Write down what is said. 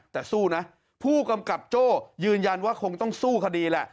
แต่สู้นะผู้กำกับโจ้ยืนยันว่าคงต้องสู้คดีแหละ